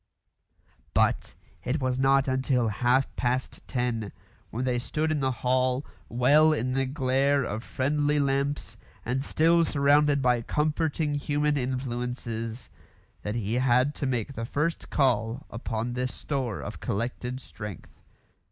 But it was not until half past ten, when they stood in the hall, well in the glare of friendly lamps and still surrounded by comforting human influences, that he had to make the first call upon this store of collected strength.